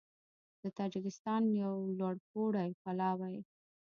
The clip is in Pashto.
د تاجېکستان یو لوړپوړی پلاوی